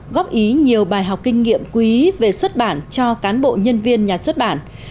góp ý nhiều bài học kinh nghiệm quý về xuất bản cho cán bộ nhân viên nhà xuất bản